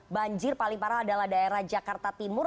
banjir paling parah adalah daerah jakarta timur